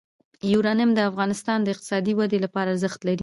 یورانیم د افغانستان د اقتصادي ودې لپاره ارزښت لري.